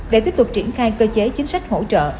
để tiếp tục triển khai cơ chế chính sách hỗ trợ